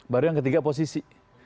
baru yang ketiga posisi